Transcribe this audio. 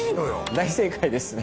大正解ですね。